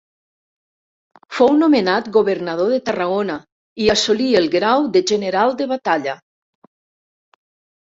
Fou nomenat Governador de Tarragona i assolí el grau de General de Batalla.